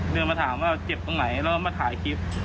เดินมาถามว่าเจ็บตรงไหนแล้วก็มาถ่ายคลิป